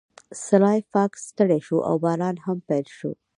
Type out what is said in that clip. سلای فاکس ستړی شو او باران هم پیل شو